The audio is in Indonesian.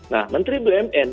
nah menteri bumn